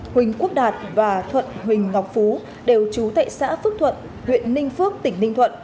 huỳnh quốc đạt và thuận huỳnh ngọc phú đều trú tại xã phước thuận huyện ninh phước tỉnh ninh thuận